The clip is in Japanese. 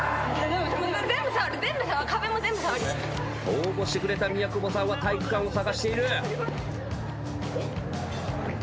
応募してくれた宮久保さんは体育館を捜している。